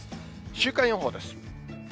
週間予報です。